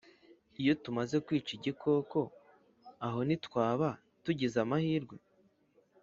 iyo tumaze kwica igikoko, aho ntitwaba tugizeamahirwe,